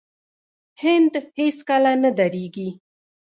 هند هیڅکله نه دریږي.